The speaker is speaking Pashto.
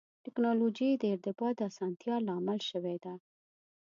ټکنالوجي د ارتباط د اسانتیا لامل شوې ده.